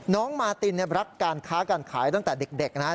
น้องมาตินรักการค้าการขายตั้งแต่เด็กนะ